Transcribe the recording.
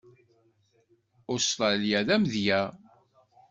Ustṛalya d amedya.